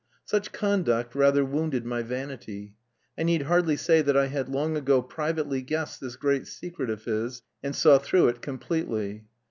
Such conduct rather wounded my vanity. I need hardly say that I had long ago privately guessed this great secret of his, and saw through it completely.